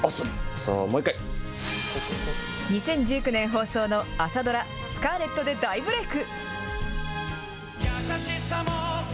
そう、２０１９年放送の朝ドラ、スカーレットで大ブレーク。